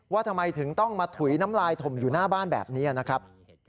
ว่าทำไมถึงต้องมาถุยน้ำลายถมอยู่หน้าบ้านแบบนี้นะครับ